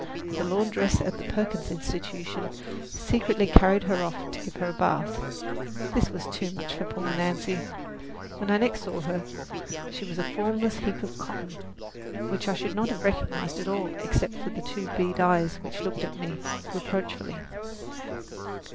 The laundress at the Perkins Institution secretly carried her off to give her a bath. This was too much for poor Nancy. When I next saw her she was a formless heap of cotton, which I should not have recognized at all except for the two bead eyes which looked out at me reproachfully.